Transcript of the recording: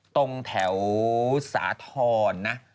ตรงแถวสาธารนะ